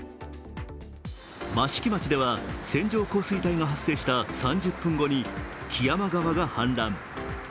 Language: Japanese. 益城町では、線状降水帯が発生した３０分後に木山川が氾濫。